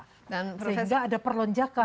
sehingga ada perlonjakan